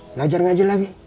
belajar ngaji lagi